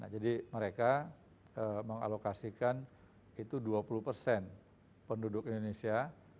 jadi mereka mengalokasikan itu dua puluh persen penduduk indonesia